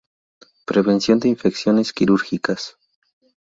Prevención de infecciones quirúrgicas.